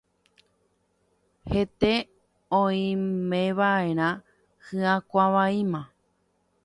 hete oimeva'erã hyakuãvaíma